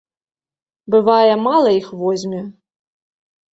Бывае, мала іх возьме.